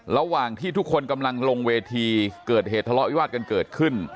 ระหว่างที่ทุกคนกำลังลงเวทีเกิดเหตุทะเลาะวิวาสกันเกิดขึ้น